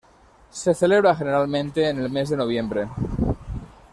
Se celebra generalmente en el mes de noviembre.